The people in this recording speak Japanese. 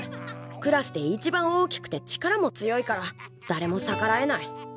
クラスで一番大きくて力も強いからだれも逆らえない。